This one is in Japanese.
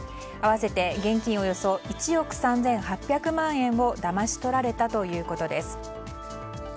合わせて現金およそ１億３８００万円をだまし取られたということです。